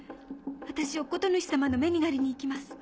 私乙事主様の目になりにいきます。